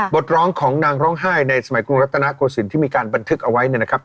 ร้องของนางร้องไห้ในสมัยกรุงรัฐนาโกศิลป์ที่มีการบันทึกเอาไว้เนี่ยนะครับ